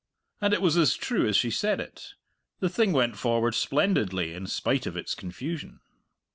And it was as true as she said it. The thing went forward splendidly in spite of its confusion.